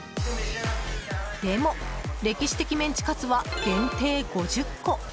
でも、歴史的メンチカツは限定５０個。